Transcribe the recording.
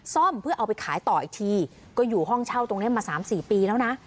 ซ่อมเพื่อเอาไปขายต่ออีกทีก็อยู่ห้องเช่าตรงนี้มา๓๔ปีแล้วนะ